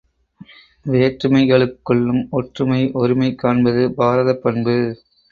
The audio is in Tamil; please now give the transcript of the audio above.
வேற்றுமைகளுக்குள்ளும் ஒற்றுமை ஒருமை காண்பது பாரதப் பண்பு.